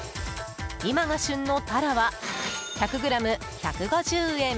今が旬のタラは１００ｇ１５０円。